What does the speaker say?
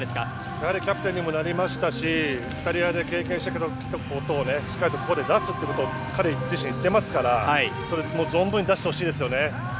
やはりキャプテンにもなりましたしイタリアで経験したことをしっかりとここで出すことを彼自身言っていますから存分に出してほしいですよね。